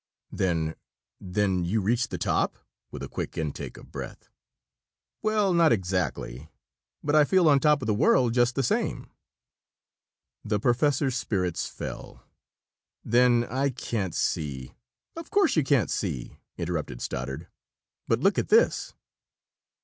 "Then then you reached the top?" with a quick intake of breath. "Well, not exactly, but I feel on top of the world, just the same." The professor's spirits fell. "Then I can't see " "Of course you can't see!" interrupted Stoddard. "But look at this!"